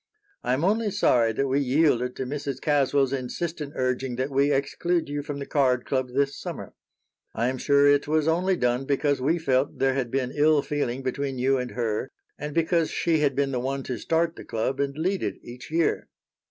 I am only sorry that we yielded to Mrs. Caswell's insistent urging that we exclude you from the card club this summer. I am sure it was only done because we felt there had been ill feeling between you and her and because she had been the one to start the club and lead it each year."